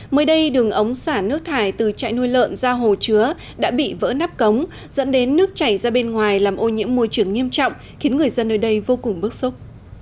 mới đây đường ống xả nước thải từ trại nuôi lợn ra hồ chứa đã bị vỡ nắp cống dẫn đến nước chảy ra bên ngoài làm ô nhiễm môi trường nghiêm trọng khiến người dân nơi đây vô cùng bức xúc